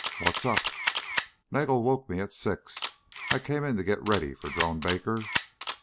"What's up?" "Nagel woke me at six. I came in to get ready for Drone Baker